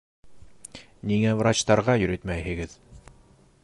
Ниңә врачтарға йөрөтмәйегеҙ?